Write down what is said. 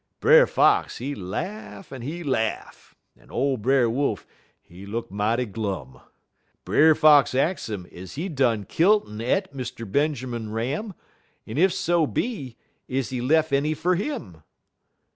"Brer Fox, he laugh en he laugh, en ole Brer Wolf, he look mighty glum. Brer Fox ax 'im is he done kilt en e't Mr. Benjermun Ram, en ef so be, is he lef' any fer him.